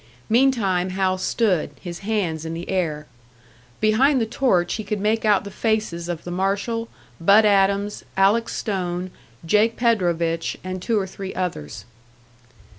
Meantime Hal stood, his hands in the air. Behind the torch he could make out the faces of the marshal, Bud Adams, Alec Stone, Jake Predovich, and two or three others.